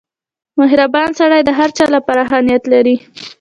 • مهربان سړی د هر چا لپاره ښه نیت لري.